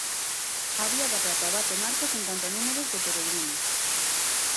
A Vía da Prata bate marcas en canto a números de peregrinos.